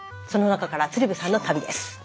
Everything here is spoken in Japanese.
その中から鶴瓶さんの旅です。